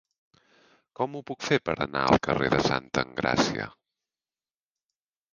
Com ho puc fer per anar al carrer de Santa Engràcia?